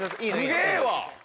すげぇわ！